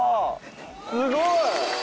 すごい！